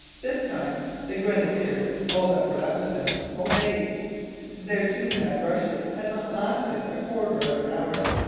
This time the grenadiers, all that were left of them, obeyed. Their two mad rushes had not lasted a quarter of an hour.